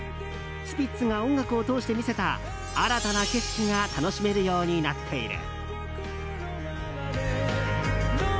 スピッツが音楽を通して見せた新たな景色が楽しめるようになっている。